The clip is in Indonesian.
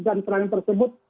dan serangan tersebut